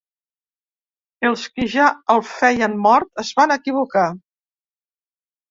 Els qui ja el feien mort es van equivocar.